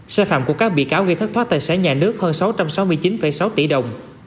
sai phạm của các bị cáo gây thất thoát tài sản nhà nước hơn sáu trăm sáu mươi chín sáu tỷ đồng